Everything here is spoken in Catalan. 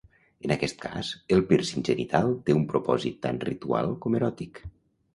En aquest cas, el pírcing genital té un propòsit tant ritual com eròtic.